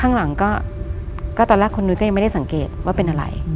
ข้างหลังก็ตอนแรกคุณนุ้ยก็ยังไม่ได้สังเกตว่าเป็นอะไร